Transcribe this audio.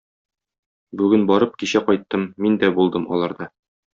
Бүген барып, кичә кайттым, мин дә булдым аларда.